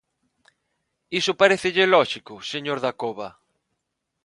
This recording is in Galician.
¿Iso parécelle lóxico, señor Dacova?